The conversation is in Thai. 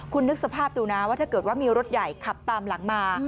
คุณนึกสภาพดูนะว่าถ้าเกิดว่ามีรถใหญ่ขับตามหลังมา